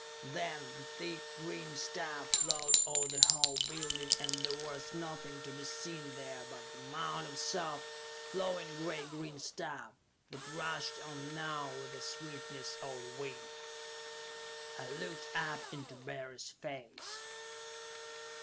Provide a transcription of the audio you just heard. Then the thick green stuff flowed over the whole building and there was nothing to be seen there but a mound of soft, flowing, gray green stuff that rushed on now with the swiftness of the wind. I looked up, into Barry's face.